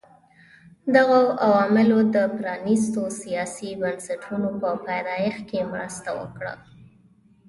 دغو عواملو د پرانیستو سیاسي بنسټونو په پیدایښت کې مرسته وکړه.